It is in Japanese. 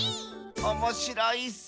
おもしろいッス！